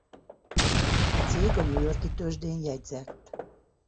A cég a New York-i tőzsdén jegyzett.